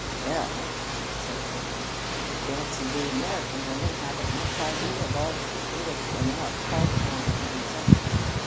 "Well," said Kate, "I fancy we American women haven't much idea of all that the Englishwomen are called upon to resent.